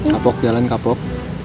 kapok jalan kapok